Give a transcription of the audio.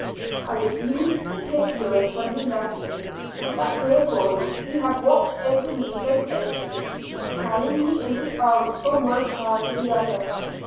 I refused to kiss Lewis when he left me, that dear boy who had watched over me so faithfully, carrying me in his arms from one car to the other.